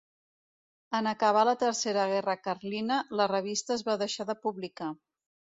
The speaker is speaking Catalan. En acabar la tercera guerra carlina, la revista es va deixar de publicar.